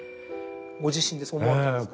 ご自身でそう思われたんですか？